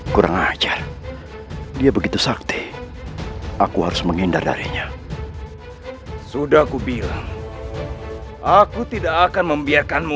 kurang ajar dia begitu sakti aku harus menghindar dari nya sudah kubilang aku tidak akan membiarkanmu